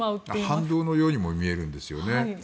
反動のようにも見えるんですよね。